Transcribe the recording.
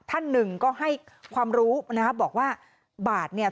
ท่านหนึ่งก็ให้ความรู้นะครับบอกว่าบาทเนี่ย